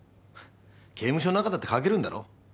刑務所の中だって書けるんだろ？